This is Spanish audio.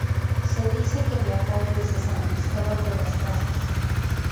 Se dice que viajó desde San Cristóbal de las Casas.